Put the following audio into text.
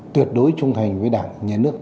tuyệt đối trung thành với đảng nhà nước